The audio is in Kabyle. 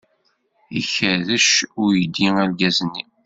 Ikerrec uydi argaz-nni.